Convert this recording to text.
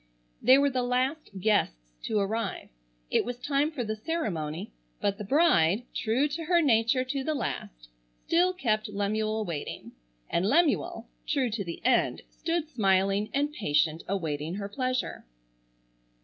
They were the last guests to arrive. It was time for the ceremony, but the bride, true to her nature to the last, still kept Lemuel waiting; and Lemuel, true to the end, stood smiling and patient awaiting her pleasure.